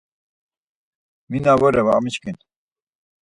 Mi na vore va miçkin.